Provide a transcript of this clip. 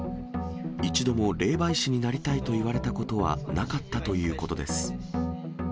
一度も霊媒師になりたいと言われたことはなかったということです。